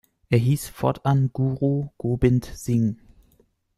Er hieß fortan Guru Gobind Singh.